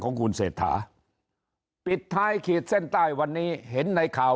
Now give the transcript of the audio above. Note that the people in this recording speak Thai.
ของคุณเศรษฐาปิดท้ายขีดเส้นใต้วันนี้เห็นในข่าว